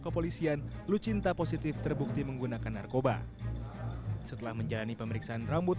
kepolisian lucinta positif terbukti menggunakan narkoba setelah menjalani pemeriksaan rambut